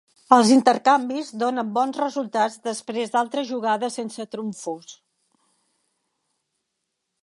Els intercanvis donen bons resultats després d'altres jugades sense trumfos.